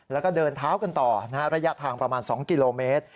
แล้วก็เดินเท้ากันต่อระยะทางประมาณ๒กิโลเมตร